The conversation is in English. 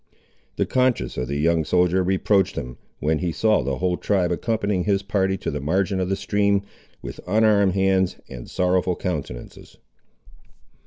The conscience of the young soldier reproached him, when he saw the whole tribe accompanying his party to the margin of the stream, with unarmed hands and sorrowful countenances.